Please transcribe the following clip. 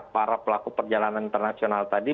para pelaku perjalanan internasional tadi